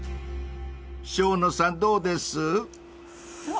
［生野さんどうです？］